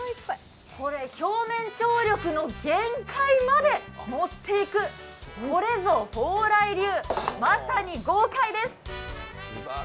これ、表面張力の限界まで持っていく、これぞ蓬莱流、まさに豪快です。